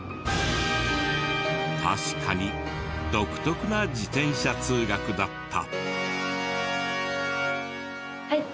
確かに独特な自転車通学だった。